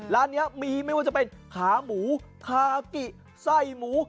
ร้านนี้มีไม่ว่าจะเป็นขาหมูทากิไส้หมู